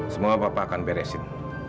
semoga papa akan beresin